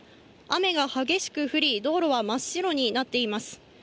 雨が激しく降り、道路は真っ白になっています。